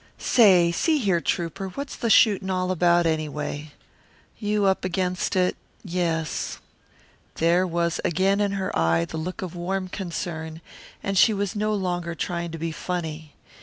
"Say, see here, Trouper, what's the shootin' all about, anyway? You up against it yes." There was again in her eye the look of warm concern, and she was no longer trying to be funny.